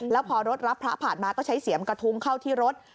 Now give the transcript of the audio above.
แล้วพอรถรับพระผ่านมาก็ใช้เสียมกระทุ้งเข้าที่รถ